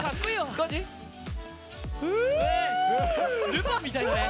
ルパンみたいだね。